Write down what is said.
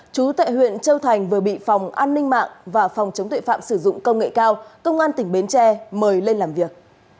chú tại huyện châu thành vừa bị phòng an ninh mạng và phòng chống tuệ phạm sử dụng công nghệ cao công an tỉnh bến tre mời lên làm việc